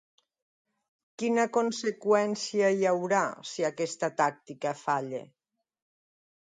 Quina conseqüència hi haurà, si aquesta tàctica falla?